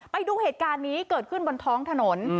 ไปดูเหตุการณ์นี้เกิดขึ้นบนท้องถนน